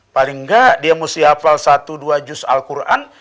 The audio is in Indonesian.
paling gak dia mau siap lal satu dua juz al quran